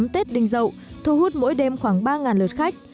mua sắm tết đinh dậu thu hút mỗi đêm khoảng ba lượt khách